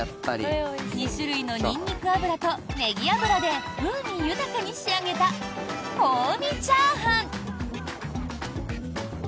２種類のニンニク油とネギ油で風味豊かに仕上げた香味チャーハン。